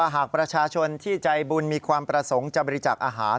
หากประชาชนที่ใจบุญมีความประสงค์จะบริจาคอาหาร